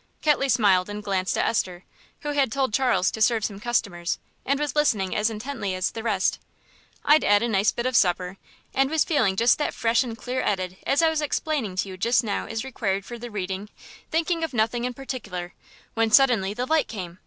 Ketley smiled and glanced at Esther, who had told Charles to serve some customers, and was listening as intently as the rest. "I'd 'ad a nice bit of supper, and was just feeling that fresh and clear 'eaded as I was explaining to you just now is required for the reading, thinking of nothing in perticler, when suddenly the light came.